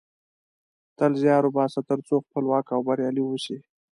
تل زیار وباسه ترڅو خپلواک او بریالۍ اوسی